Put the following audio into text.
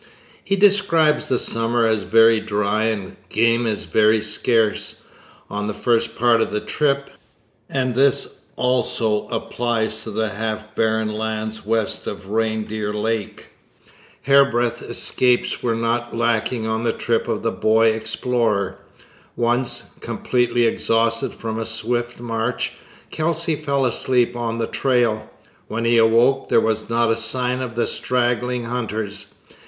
He describes the summer as very dry and game as very scarce, on the first part of the trip; and this also applies to the half barren lands west of Reindeer Lake. Hairbreadth escapes were not lacking on the trip of the boy explorer. Once, completely exhausted from a swift march, Kelsey fell asleep on the trail. When he awoke, there was not a sign of the straggling hunters.